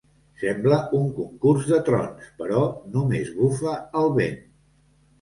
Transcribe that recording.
Sembla un concurs de trons, però només bufa el vent.